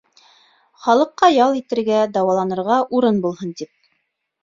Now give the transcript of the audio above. Халыҡҡа ял итергә, дауаланырға урын булһын тип.